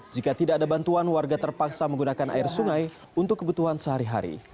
jika tidak ada bantuan warga terpaksa menggunakan air sungai untuk kebutuhan sehari hari